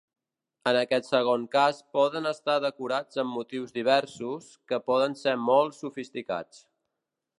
En aquest segon cas poden estar decorats amb motius diversos, que poden ser molt sofisticats.